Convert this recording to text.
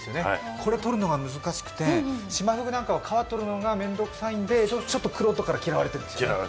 これ取るのが難しくて、シマフグなんかは皮取るのが面倒くさいのでちょっと玄人から嫌われてるんでしょ？